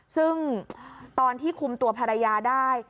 ซึ่งตอนที่คุมตัวภรรยาได้